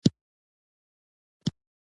د پایڅو په هر یو ول کې یې نغښتلي عفتونه